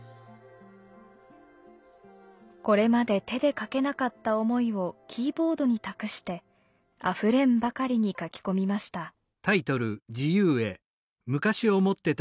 これまで手で書けなかった思いをキーボードに託してあふれんばかりに書き込みました。